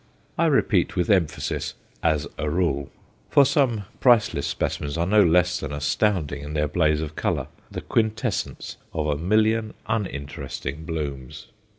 I repeat with emphasis, as a rule, for some priceless specimens are no less than astounding in their blaze of colour, the quintessence of a million uninteresting blooms.